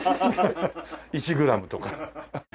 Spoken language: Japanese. １グラムとか。